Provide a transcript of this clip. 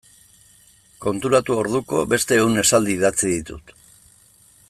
Konturatu orduko beste ehun esaldi idatzi ditut.